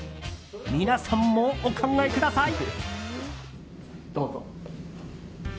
皆さんもお考えください。